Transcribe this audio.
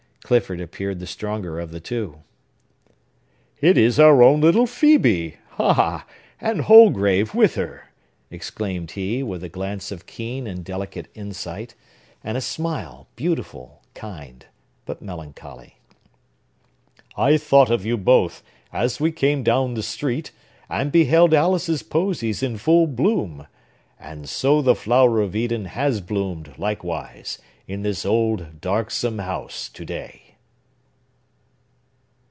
Clifford appeared the stronger of the two. "It is our own little Phœbe!—Ah! and Holgrave with, her" exclaimed he, with a glance of keen and delicate insight, and a smile, beautiful, kind, but melancholy. "I thought of you both, as we came down the street, and beheld Alice's Posies in full bloom. And so the flower of Eden has bloomed, likewise, in this old, darksome house to day."